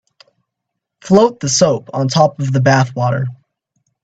Float the soap on top of the bath water.